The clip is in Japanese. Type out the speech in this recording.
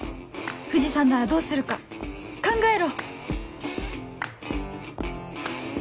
藤さんならどうするか考えろ！